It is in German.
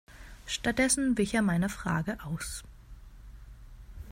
Stattdessen wich er meiner Frage aus.